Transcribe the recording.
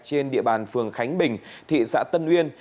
trên địa bàn phường khánh bình thị xã tân uyên